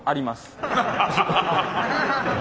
ハハハハハ！